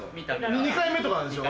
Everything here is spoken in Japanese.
２回目とかなんでしょ？